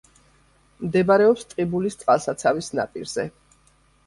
მდებარეობს ტყიბულის წყალსაცავის ნაპირზე.